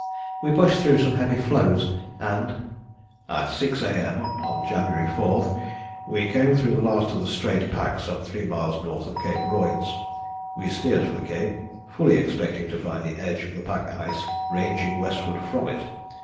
We pushed through some heavy floes and "at 6 A.M. (on January 4) we came through the last of the Strait pack some three miles north of Cape Royds. We steered for the Cape, fully expecting to find the edge of the pack ice ranging westward from it.